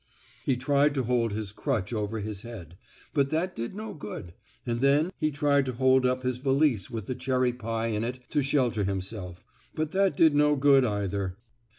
He tried to hold his crutch over his head, but that did no good, and then he tried to hold up his valise with the cherry pie in it to shelter himself, but that did no good, either.